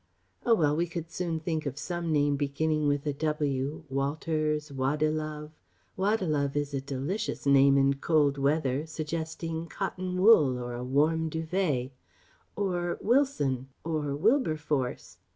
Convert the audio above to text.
Oh well, we could soon think of some name beginning with a W Walters, Waddilove Waddilove is a delicious name in cold weather, suggesting cotton wool or a warm duvet or Wilson or Wilberforce.